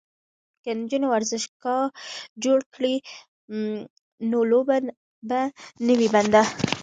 که نجونې ورزشگاه جوړ کړي نو لوبه به نه وي بنده.